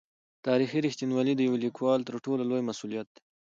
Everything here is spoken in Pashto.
تاریخي رښتینولي د یو لیکوال تر ټولو لوی مسوولیت دی.